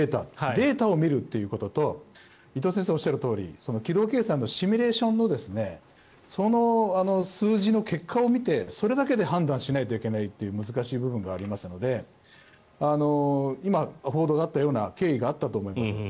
データを見るということと伊藤先生がおっしゃるとおり軌道計算のシミュレーションのその数字の結果を見てそれだけで判断しないといけないという難しい部分がありますので今、報道があったような経緯があったと思います。